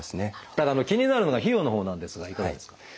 ただ気になるのが費用のほうなんですがいかがですか？